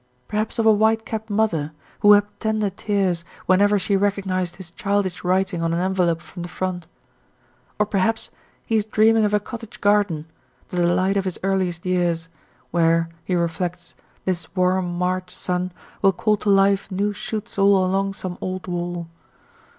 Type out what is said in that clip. Perhaps of a white capped mother who wept tender tears whenever she recognised his childish writing on an envelope from the front. Or perhaps he is dreaming of a cottage garden, the delight of his earliest years, where, he reflects, this warm March sun will call to life new shoots all along some old wall.